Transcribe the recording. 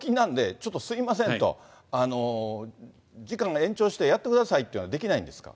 でもこれ、公金なんで、ちょっとすみませんと、時間延長してやってくださいっていうのはできないんですか？